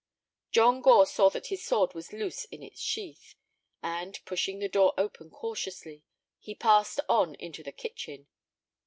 John Gore saw that his sword was loose in its sheath, and, pushing the door open cautiously, he passed on into the kitchen.